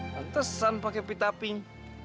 pantesan pakai pita pink